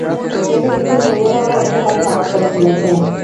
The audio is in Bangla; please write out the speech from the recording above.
কেঁদে কেঁদে শরীরের অবস্থা খারাপ করে ফেলেছে।